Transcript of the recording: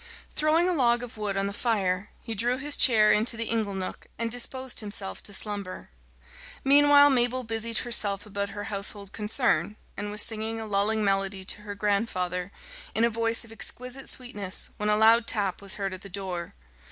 Throwing a log of wood on the fire, he drew his chair into the ingle nook, and disposed himself to slumber. Meanwhile, Mabel busied herself about her household concern, and was singing a lulling melody to her grandfather, in a voice of exquisite sweetness, when a loud tap was heard at the door.